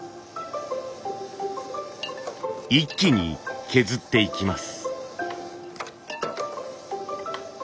一気に削っていきます。